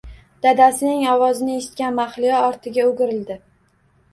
Dadasining ovozini eshitgan Mahliyo ortiga o`girildi